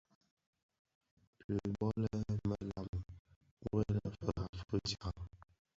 Dhi bō lè më lami wuèle firab fi djaň.